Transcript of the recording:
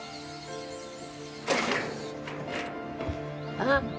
あっ。